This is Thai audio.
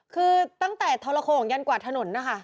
คือตั้งแต่ทรโข่งยันกว่าถนนนะคะ